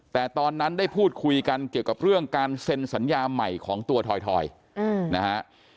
แต่ตอนนั้นได้พูดคุยกันเกี่ยวกับเรื่องการเซ็นสัญญาใหม่ของตัวถอยนะฮะ